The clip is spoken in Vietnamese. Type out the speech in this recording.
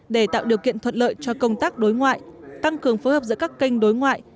để tạo điều kiện thuận lợi cho công tác đối ngoại tăng cường phối hợp giữa các kênh đối ngoại